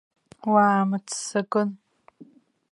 Уаамыццакын.